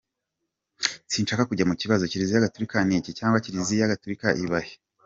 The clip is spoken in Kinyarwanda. Sinshaka kujya mu kibazo ” Kiliziya Gatulika niki?” cyangwa, “Kiliziya Gatulika iba he”?